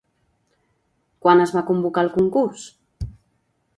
Quan es va convocar el concurs?